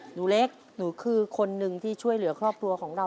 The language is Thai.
หนูเล็กหนูคือคนหนึ่งที่ช่วยเหลือครอบครัวของเรา